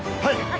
はい！